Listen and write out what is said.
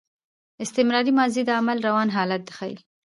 استمراري ماضي د عمل روان حالت ښيي.